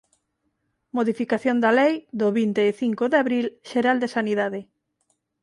Modificación da Lei, do vinte e cinco de abril, xeral de sanidade.